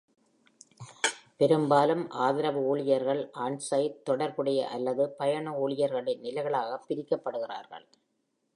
பெரும்பாலும் ஆதரவு ஊழியர்கள் ஆன்-சைட், தொடர்புடைய அல்லது பயண ஊழியர்களின் நிலைகளாகப் பிரிக்கப்படுகிறார்கள்.